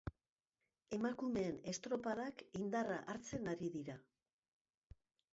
Emakumeen estropadak indarra hartzen ari dira.